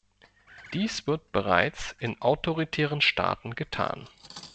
Dies wird bereits in autoritären Staaten getan.